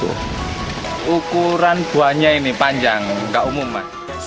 ukuran buahnya ini panjang gak umum mas